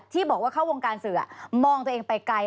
ที่บอกว่าเข้าวงการสื่อมองตัวเองไปไกล